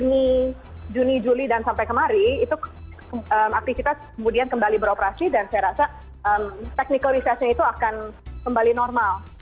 di juni juli dan sampai kemari itu aktivitas kemudian kembali beroperasi dan saya rasa teknikal resesnya itu akan kembali normal